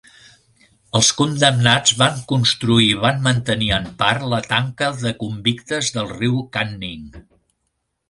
Els condemnats van construir i van mantenir en part la tanca de convictes del riu Canning.